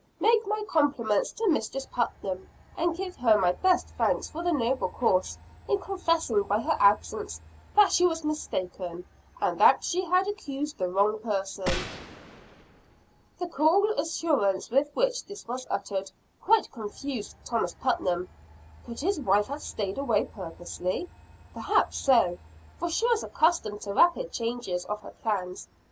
Make my compliments to Mistress Putnam; and give her my best thanks for her noble course, in confessing by her absence that she was mistaken, and that she had accused the wrong person." The cool assurance with which this was uttered, quite confused Thomas Putnam. Could his wife have stayed away purposely? Perhaps so, for she was accustomed to rapid changes of her plans.